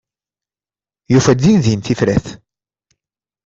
Yufa-d din din tifrat.